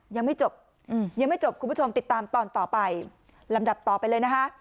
ยังไม่จบยังไม่จบคุณผู้ชมติดตามตอนต่อไปลำดับต่อไปเลยนะคะ